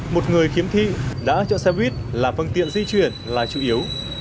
một người khiếm thị đã chọn xe buýt là phương tiện di chuyển là chủ yếu